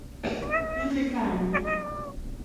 Idhi Kanye?